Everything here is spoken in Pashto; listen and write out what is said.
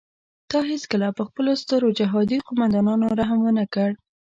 تا هیڅکله پر خپلو سترو جهادي قوماندانانو رحم ونه کړ.